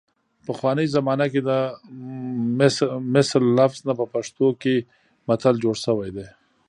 پخوانۍ زمانه کې د مثل لفظ نه په پښتو کې متل جوړ شوی دی